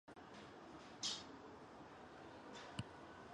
黎文敔是南定省春长府胶水县万禄社人。